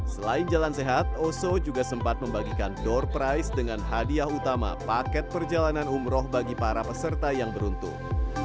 selain jalan sehat oso juga sempat membagikan door price dengan hadiah utama paket perjalanan umroh bagi para peserta yang beruntung